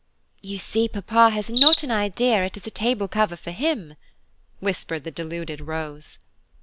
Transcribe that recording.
"You see papa has not an idea it is a table cover for him," whispered the deluded Rose.